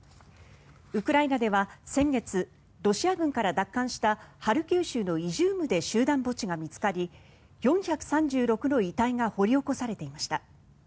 ウクライナでは先月ロシア軍から奪還したハルキウ州のイジュームで集団墓地が見つかり４３６の遺体が掘り起こされていました。